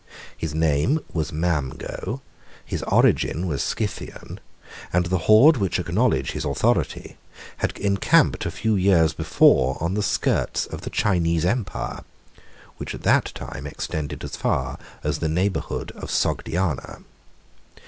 His name was Mamgo, 571 his origin was Scythian, and the horde which acknowledge his authority had encamped a very few years before on the skirts of the Chinese empire, 58 which at that time extended as far as the neighborhood of Sogdiana.